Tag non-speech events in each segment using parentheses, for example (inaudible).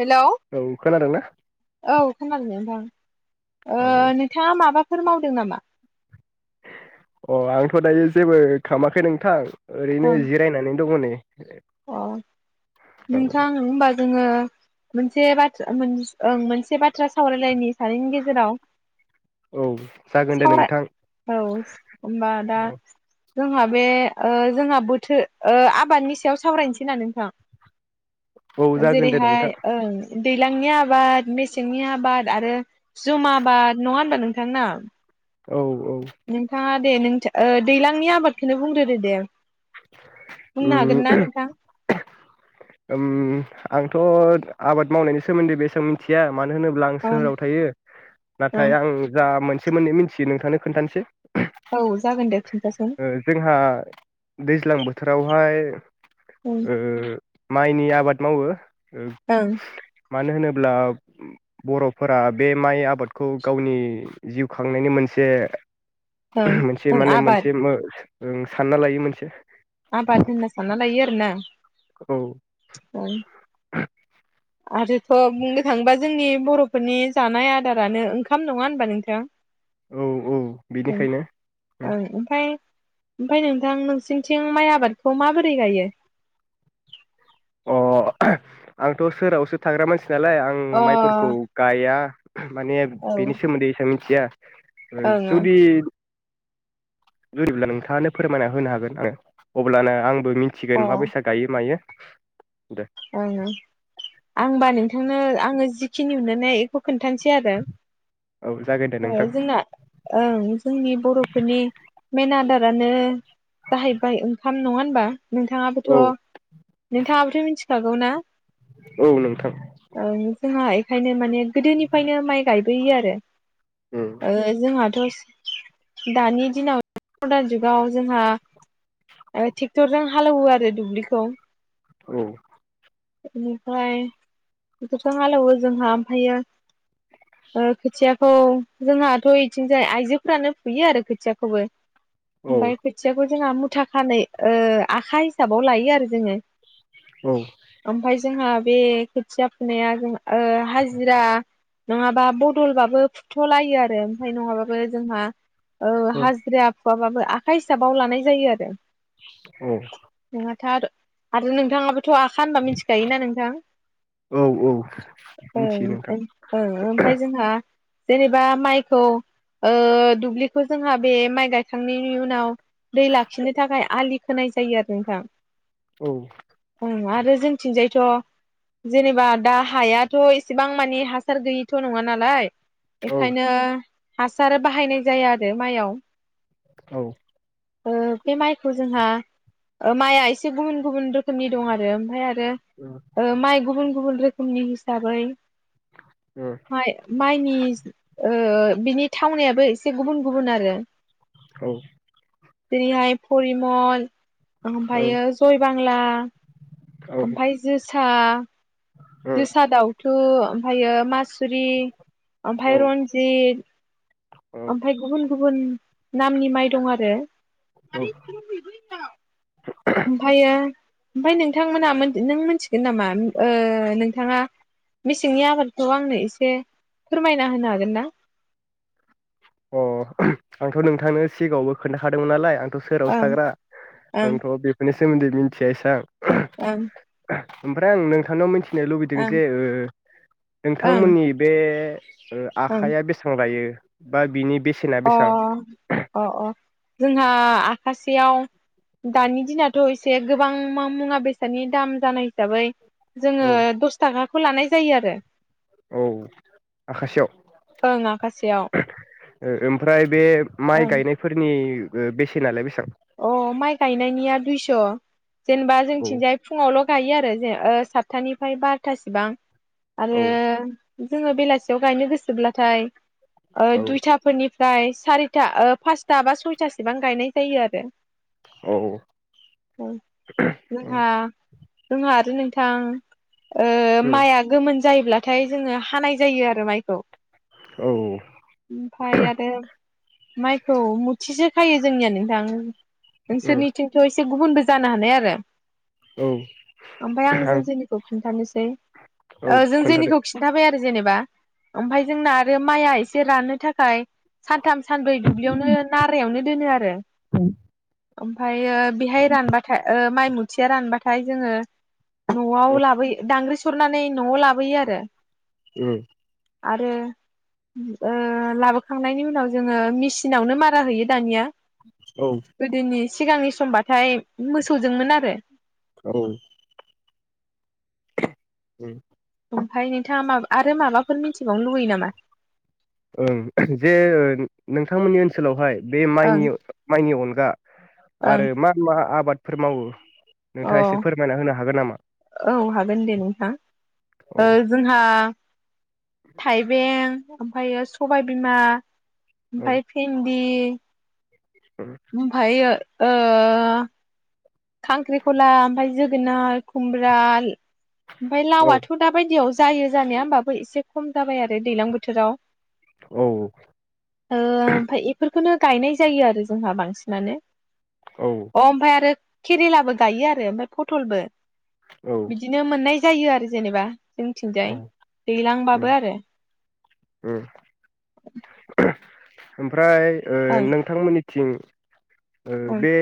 Hello औ खोनादोंना औ खोनादों नोंथां ओ औ नोंथाङा माबा फोर मावदों नामा अ आंथ' दायो जेबो खालामाखै नोंथां ओं ओरैनो जिरायनानै दङ नै अ औ नोंथां होनबा जोङो मोनसे बाथ्रा ओं मोनसे बाथ्रा सावरायलायनायनि सानैनि गेजेराव औ जागोन दे नोंथां सावराय औ होनबा दा औ जोंहा बे जोंहा बोथोर आबादनि सायाव सावरायनोसै ना नोंथां औ जागोन दे नोंथां जेरैहाय ओं दैज्लांनि आबाद मेसेंनि आबाद आरो जुम आबाद नङा होनबा नोंथां ना औ औ नोंथाङा दे नों ओ दैलांनि आबादखौनो बुंगोरदो दे बुंनो हागोन ना उम नोंथां ओम आंथ' आबाद मावनायनि सोमोन्दै बेसेबां मिन्थिया मानो होनोब्ला आं ओं सोहोराव थायो ओं नाथाय आं जा मोन सोमोनदै मिथियो नोंथांनो खोनथानोसै औ जागोन दे खिनथासुन जोंहा दैज्लां बोथोरावहाय ओ माइनि आबाद मावो ओ ओं मानो होनोब्ला बर'फोरा बे माइ आबादखौ गावनि जिउ खांनायनि मोनसे ओं मोनसे ओं माने आबाद मोनसे मो ओं सानना लायो मोन से आबाथ होनना साननालायो आरो ना औ ओं आरोथ' बुंनो थाङोबा जोंनि बर'फोरनि जानाय आदारानो ओंखाम नङा होनबा नोंथां? औ औ ओं बेनिखायनो उम ओं ओमफाय ओमफाय नोंथां नोंसिनिथिं माइ आबादखौ माबोरै गायो? अ आंथ' सोरावसो थाग्रा मानस सालाय आं अ माइफोरखौ गाया। माने औ ओं बिनि सोमोन्दै एसां थिया ओ ओं जुदि अ (unintelligible) नोंथाङानो फोरमायना होनो हागोन आरो अब्लानो आं बो मिनथिगोन माबैसा गायो मायो। दे ओं ओं आंबा नोंथांनो आङो जिखिनि नुनाय इखौ खोनथानसै आरो औ जागोन दे ओ नोंथां जोंना ओं जोंनि बर'फोरनि मेन आदारानो जाहैबाय ओंखाम नङा बा औ नोंथाङाबोथ' नोंथांङाबोथ मिनथि खागौ ना? औ नोंथां ओं जोंहाय खायनो माने गोदोनिफ्रायनो माइ गायबोयो आरो उम ओ जोंहाथ'स दानि दिनाव मदान जुगाव जोंहा ओ टेक्टरजों हालेवो आरो दुब्लिखौ औ इनिफाय बिदिथ' हालौवो जोंहा ओमफायो ओ खोथियाखौ जोंहाथ' इथिंजाय आइजोफ्रानो फुयो आरो खोथियाखौबो औ बाय खोथियाखौ जोंहा मुथा खानोय ओ आखा हिसाबाव लायो आरो जोङो। औ ओमफाय जोंहा बे खोथिया फुनाया जों ओ हाजिरा नङाबा बदलबाबो फुथ'लायो आरो ओमफाय नङाबाबो जोंहा औ हाजिरा फुआबाबो आखाइ हिसाबाव लानाय जायो आरो औ (unintelligible) आरो आरो नोंथाङाबोथ' आ खा होनबा मिथिखायोना नोंथां औ औ मिथियो नोंथां ओं ओं ओमफाय जोंहा जेनेबा माइखौ ओ दुब्लिखौ जोंहा बे माइ गायखांनायनि उनाव दै लाखिनो थाखाय आलि खोनाय जायो आरो नोंथां औ (unintelligible) आरो जोंथिंजायथ' जेनेबा दा हायाथ' एसेबां मानि हासार गैयिथ' नङा नालाय औ बेखायनो हासार बाहायनाय जाया आरो माइयाव औ ओ बे माइखौ जोंहा ओ माइआ एसे गुबुन गुबुन रोखोमनि दं आरो ओमफाय आ रो ओ माइ गुबुन गुबन रोखोमनि हिसाबै माइ -माइनि ओ बिनि थावनायाबो एसे गुबुन गुबुन आरो जेरिहाय फरि मल औ ओमफ्रायो जय बांला औ औ ओमफाय जोसा ओ जोसादावथु ओमफायो मासुरि औ ओमफाय रन्जित औ ओमफ्राय गुबुन गुबुन नामनि माइरं आरो औ (unintelligible) ओमफायो ओमफाय नोंथांमोना मोन नों मोनथिगोन नामा ओ नोंथाङा मेसेंनि आबादखौ आंनो एसे फोरमायना होनो हागोन ना? अ आंथ' नोंथांनो सिगाङावबो खोनथाखादोंमोन नालाय आं थ' सोहोरावसो ओं थाग्रा ओं आंथ' बेफोरनि सोमोनदै मिनथिया इसां ओं ओमफ्राय आं नोंथांनाव मिनथि थिनो लुबैदों जे ओ ओं नोंथांमोननि बे ओ ओं आखाइया बेसेबां लायो बा बिनि बेसेना अ बेसेबां अ अ जोंहा आखासेयाव दानि दिनाथ' एसे गोबां मा मुवा बेसादनि दाम जानाय हिसाबै जोङो औ दस थाखा खौ लानाय जायो आरो औ ओं आखासेयाव आखासेयाव ओ ओमफ्राय बे माइ ओं गायनायफोरनि ओ बेसेनालाय बेसां अ माइ गायनायनिया दुइस' जेनेबा औ जोंनिथिंजाय फुङावल' गायो आरो जे ओ सातथानिफ्राय बार'थासिबां औ आरो जोङो बेलासियाव गायनो गोसोब्लाथाय ओ औ दुइथाफोरनि फ्राय सारिथा ओ पासथा बा सयथासेबां गायनाय जायो आरो (unintelligible) औ उ जोंहा जोंहा आरो नोंथां ओ उम माइआ गोमोन जायोब्लाथाय जोङो हानाय जायो आरो माइखौ औ ओमफ्राय आरो माइखौ मुथिसो खायो जोंनिया नोंथां (inaudible) उम नोंसोरनिथिंथ एसे गुबुनबो जानो हानाय आरो औ ओमफाय आं जों जेनिखौ खिन्थानोसै औ जों खोन्थादो जेनिखौ खिन्थाबाय आरो जेनेबा ओमफाय जोंना आरो माइआ एसे राननो थाखाय सानथाम सानब्रै दुब्लियावनो नारायावनो दोनो आरो ओमफाय बेयो बेहाय रानबाथा ओ माइ मुथिया रानबाथाय जोङो नआव औ लाबोयो दांग्रि स नानै नआव लाबोयो आरो उम आरो ओ लाबोखांनायनि उनाव जोङो मेसिनावनो मारा होयो दानिया औ गोदोनि सिगांनि समबाथाय मोसौजोंमोन आरो औ उम ओमफाय नोंथाङा मा आरो माबाफोर मिथिबावनो लुबैयो नामा ओं जे नोंथांमोननि ओनसोलावहाय बे माइनि ओं माइनि अनगा ओं आरो मा मा आबाद फोर मावो अ नोंथाङा एसे फोरमायना होनो हागोन नामा औ हागोन दे नोंथाङ औ ओ जोंहा थाइबें ओमफ्रायो सबाय बिमा औ ओमफाय भिन्दि ओमफायो ओ खांख्रिखला ओमफाय जोगोनार खुमब्राल ओमफाय औ लावआथ दा बायदियाव जायो जानाया होमबाबो एसे खम जाबाय आरो दैलां बोथोराव औ ओ ओमफाय एफोरखौनो गायनाय जायो आरो जोंहा बांसिनानो अ ओमफाय आरो केरेलाबो गायो आरो ओमफ्राय पटलबो औ बिदिनो मोननाय जायो आरो जेनेबा औ जोंनिथिंजाय उम दैलांबाबो आरो ओमफा फ्राय ओ ओं नोंथांमोननि थिं ओ ओं बे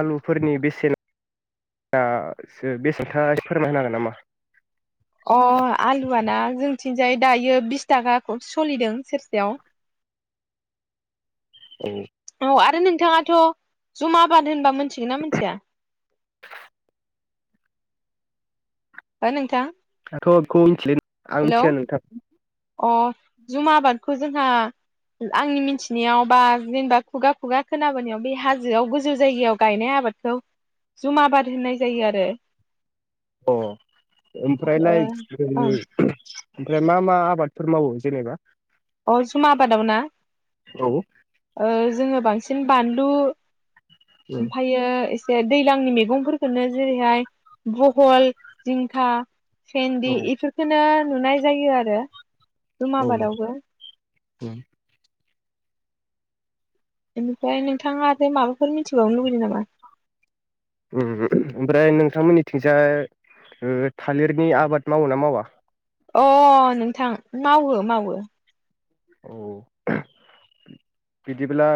आलुफोरनि बेसेन आ सो बेसेथाय फोरमायना होनो हागोन नामा अ आलुआना जोंथिंजाय दायो बिस थाखा सलिदों सेरसेयाव औ औ आरो नोंथाङाथ' जुम आबाद होनबा मिथिगोन ना मिथिया योहो नोंथां। दाथ'खौ बेखौ मिथिलाय आं हेलौ मिथिया नोंथां। अ जुमा आबादखौ जोंहा आंनि मिथिनायाव बा जेनेबा खुगा खुगा खोनाबोनायाव बे हाजोआव गोजौ जायगायाव गायनाय आबादखौ जुमा आबाद होननाय जायो आरो। अ ओ ओमफ्रायलाय ओं ओमफ्राय मा मा आबादफोर मावो जेनेबा? अ जुमा आबादाव ना औ ओ जोङो बांसिन बान लु उम ओमफायो दैलांनि मैगंफोरखौनो जेरैहाय भहल, जिंखा सेनदि औ इफोरखौनो नुनाय जायो आरो। जुम आबादावबो औ। बेनिफ्राय नोंथाङा आरो माबाफोर मिथिबावनो लुबैदों नामा? ओम ओमफ्राय नोंथांमोननिथिंजाय ओ थालिरनि आबाद मावो ना मावा? अ नोंथां मावो मावो। औ बिदिब्ला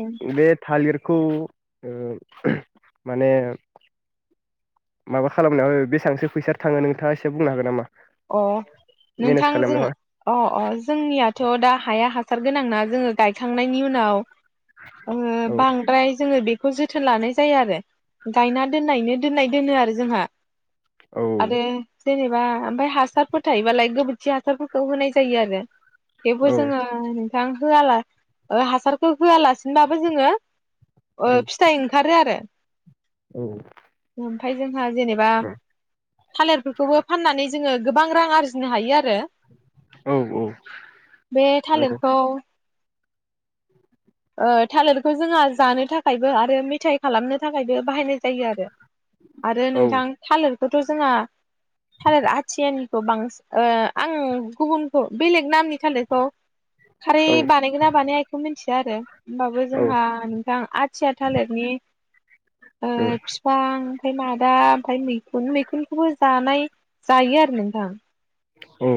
उम बे थालिर खौ ओ माने। माबा खालामनायाव बेसेबांसो फैसा थाङो नोंथाङा एसे बुंनो हागोन नामा? अ मेनेज नोंथां जों खालामनायावहाय अ अ जोंनियाथ' दा हाया हास हासार गोनां ना जोङो गायखांनायनि उनाव ओ औ बांद्राय जोङो बे बेखौ जोथोन लानाय जायो आरो। गायना दोननायनो। दोननाय दोनो आरो जोंहा औ। आरो जेनेबा ओमफाय। हासारफोर थायोबालाय गोबोरखि हासारफोरखौ होनाय जायो आरो थेवबो औ जोङो। (unintelligible) होआला हासारखौ होआलासिनोबाबो जोङो औ फिथाइ ओंखारो आरो। औ। ओमफाय जों जोंहा जेनेबा थालिरफोरखौबो फाननानै जोङो गोबां रां आरजिनो हायो। औ औ बे नंगौ थालिरखौ ओ थालेरखौ जोंहा जानो थाखायबो आरो मेथाइ खालामनो थाखायबो बाहायनाय जायो आरो आरो औ नोंथां थालेर थ' जोंहा थालिर आथियानिखौ बांसिन आं गुबुनखौ बेलेग नामनि थालेरखौ खारै औ बानायगोन ना बानाय आ बेखौ मिथिया आरो होमबाबो औ जोंहा नोंथां आथिया थालिरनि ओ बिफां ओमफाय मादा ओमफाय मैखुन मैखुनखौबो जानाय जायो आरो नोंथां औ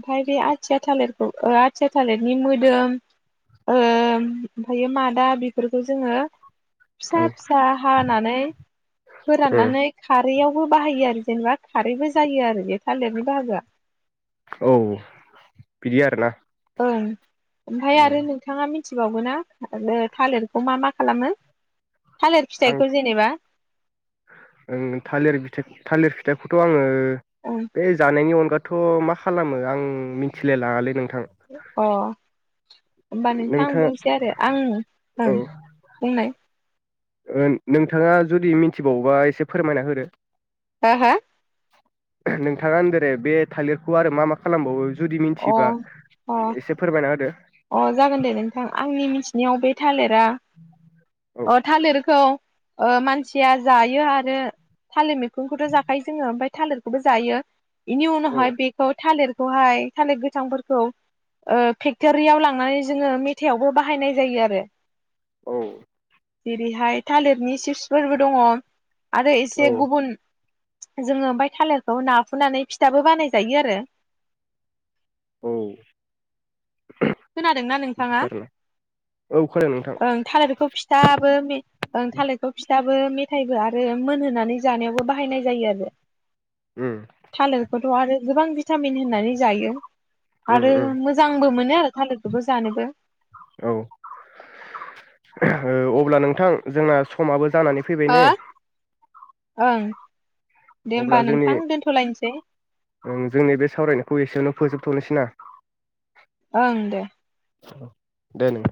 ओमफाय बे आथिया थालिरखौ आथिया थालिरनि मोदोम ओ ओमफायो मादा बेफोरखौ जोङो फिसा औ फिसा हानानै फोराननानै खारैयावबो बाहायो आरो जेनेबा खारैबो जायो आरो बे थालेरनि बाहागोआ औ बिदि आरो ना ओं ओमफाय आरो नोंथाङा मिथिबावगोना आरो थालिरखौ मा मा खालामो थालिर आं फिथाइखौ जेनेबा थालिर फिथाइखौ थालिर फिथाइखौथ' आङो ओं बे जानायनि अनगा' थ' मा खालामो आं मिथिलायलाङालै नोंथां अ होमबा नोंथां आं नोंथाङा बुंनोसै आरो आं औ बुंनाय ओ नोंथाङा जुदि मिथिबावोबा एसे फोरमायना होदो हा हा नोंथाङा होनदोंरे बे थालिरखौ आरो मा मा खालामबावो जुदि हो मिथिबा अ एसे फोरमायना होदो अ जागोन दे नोंथां आंनि मिथिनायाव बे थालिरा औ अ थालिर खौ ओ मानसिया जायो आरो थालिर मैखुनखौथ' जाखायो जोङो ओमफ्राय थालिरखौबो जायो इनि औ उनावहाय बेखौ थालिर हाय थालिर गोथांफोरखौ ओ फेक क्टरियाव लांनानै जोङो मेथायाइआवबो बाहायनाय जायो आरो औ जेरैहाय थालिरनि सिपसफोरबो दङ आरो औ एसे गुबुन जोङो ओमफ्राय थालारखौ नाफुनानै फिथाबो बानायजायो आरो। औ। खोनादोंना नोंथाङा बिदिसो आरोना औ खोनादों नोंथां ओं थालिरखौ फि थाबो मे ओं थालिरखौ फिथाबो मे फिथायाइबो आरो मोनहोनानै जानायावबो बाहायनाय जायो आरो। उम थालेरखोथ' आरो गोबां भिटामिन होननानै जायो। उम आरो उम मोजांबो मोनो आरो। थालिरखौबो जानोबो औ ओ अब्ला नोंथां जोंना समाबो जानानै फैबाय हो ने। ओं। दे होमबा अब्ला जोंनि नोंथां दोनथ'लायनोसै ओं जोंनि बे सावरायनायखौ एसेआवनो फोजोबथ'नोसै ना? ओं दे। दे नों